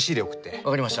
分かりました。